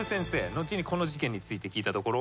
後にこの事件について聞いたところ。